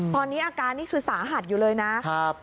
ตอนนี้อาการนี่คือสาหัสอยู่เลยนะครับ